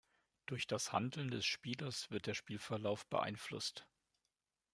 Durch das Handeln des Spielers wird der Spielverlauf beeinflusst.